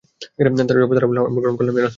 জবাবে তারা বলল, আমরা গ্রহণ করলাম ইয়া রাসূলাল্লাহ!